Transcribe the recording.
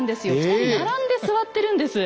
２人並んで座ってるんです。